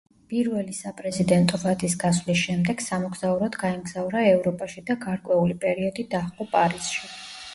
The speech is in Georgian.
პირველი საპრეზიდენტო ვადის გასვლის შემდეგ სამოგზაუროდ გაემგზავრა ევროპაში და გარკვეული პერიოდი დაჰყო პარიზში.